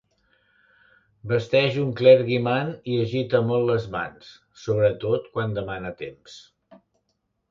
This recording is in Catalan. Vesteix un clergyman i agita molt les mans, sobretot quan demana temps.